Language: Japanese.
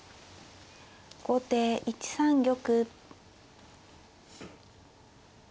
後手１三玉。